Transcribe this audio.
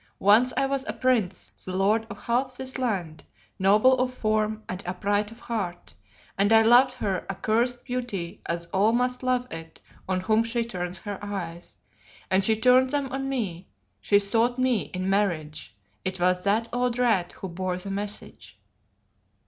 Once I was a prince, the lord of half this land, noble of form and upright of heart, and I loved her accursed beauty as all must love it on whom she turns her eyes. And she turned them on me, she sought me in marriage; it was that old Rat who bore her message.